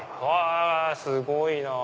すごいな！